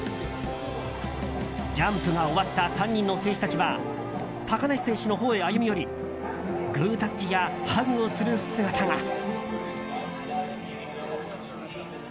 ジャンプが終わった３人の選手たちは高梨選手のほうへ歩み寄りグータッチやハグをする姿が。